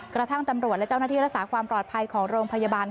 กระทั่งตำรวจและเจ้าหน้าที่รักษาความปลอดภัยของโรงพยาบาล